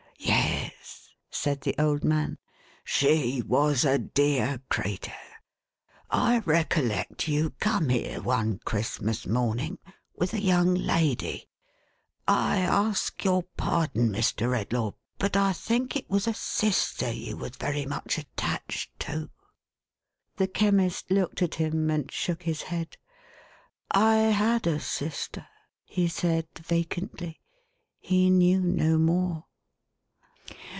« Yes," said the old man. " She was a dear creetur.— I recollect you come here one Christmas morning with a young lady— I ask your pardon, Mr. Redlaw, but I think it*wa> a sister you was very much attached to?" The Chemist looked at him, and shook his head. " I had a sister," he said vacantly. He knew no moiv.